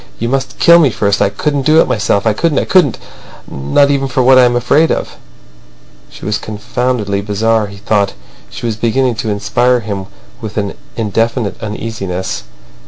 You must kill me first. I couldn't do it myself—I couldn't, I couldn't—not even for what I am afraid of." She was confoundedly bizarre, he thought. She was beginning to inspire him with an indefinite uneasiness.